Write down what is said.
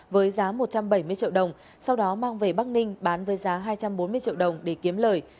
với giá một trăm bảy mươi triệu đồng sau đó mang về bắc ninh bán với giá hai trăm bốn mươi triệu đồng để kiếm lời